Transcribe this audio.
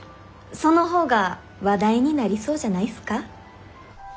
そのほうが話題になりそうじゃないっすか？